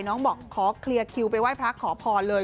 น้องบอกขอเคลียร์คิวไปไหว้พระขอพรเลย